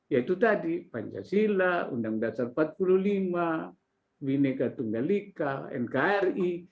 yaitu tadi pancasila undang dasar empat puluh lima bhinneka tunggal ika nkri